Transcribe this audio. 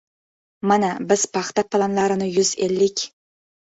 Mana, biz paxta planlarini yuz ellik